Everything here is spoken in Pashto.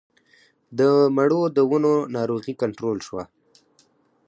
د مڼو د ونو ناروغي کنټرول شوه؟